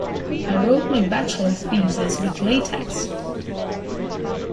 I wrote my bachelor thesis with latex.